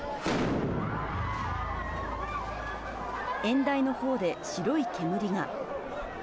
演台のほうで白い煙が。